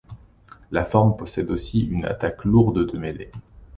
La forme possède aussi une attaque lourde de mêlée.